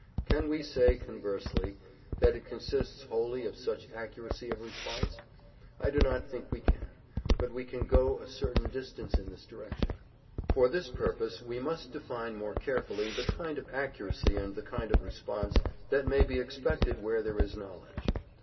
Can we say, conversely, that it consists wholly of such accuracy of response? I do not think we can; but we can go a certain distance in this direction. For this purpose we must define more carefully the kind of accuracy and the kind of response that may be expected where there is knowledge.